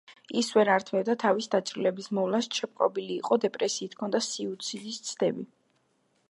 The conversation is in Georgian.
ის ვერ ართმევდა თავს დაჭრილების მოვლას, შეპყრობილი იყო დეპრესიით, ჰქონდა სუიციდის ცდები.